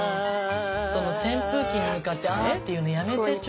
その扇風機に向かってアーっていうのやめてちょうだい。